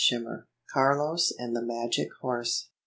145 146 CARLOS AND THE MAGIC HORSE.